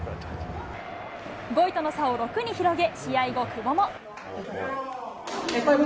５位との差を６に広げ、試合後、久保も。